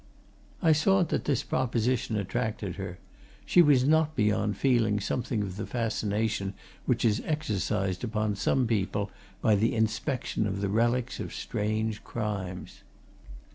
I saw that this proposition attracted her she was not beyond feeling something of the fascination which is exercised upon some people by the inspection of the relics of strange crimes.